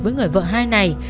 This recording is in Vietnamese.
với người vợ hai này